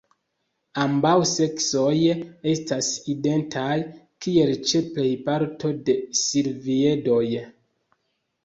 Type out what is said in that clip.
Ambaŭ seksoj estas identaj, kiel ĉe plej parto de silviedoj.